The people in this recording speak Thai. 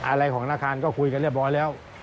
อะไรของธนาคารก็คุยกันเรียบร้อยแล้ว